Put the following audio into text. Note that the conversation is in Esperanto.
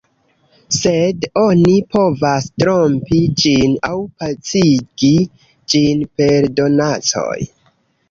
Sed oni povas trompi ĝin aŭ pacigi ĝin per donacoj.